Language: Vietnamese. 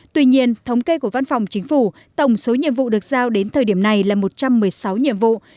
tuy nhiên thống kê của văn phòng chính phủ tổng số nhiệm vụ được giao đến thời điểm này là một trăm một mươi sáu nhiệm vụ